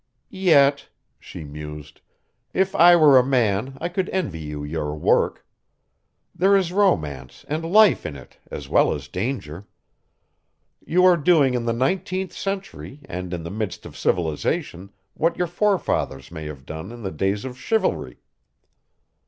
Yet," she mused, "if I were a man I could envy you your work. There is romance and life in it, as well as danger. You are doing in the nineteenth century and in the midst of civilization what your forefathers may have done in the days of chivalry."